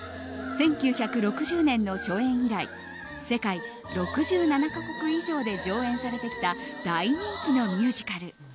１９６０年の初演以来世界６７か国以上で上演されてきた大人気のミュージカル。